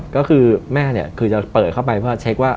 ก็คือแม่เนี่ยคือจะเปิดเข้าไปเพื่อเช็คว่า